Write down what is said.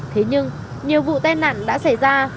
thế nhưng nhiều vụ tai nạn đã xảy ra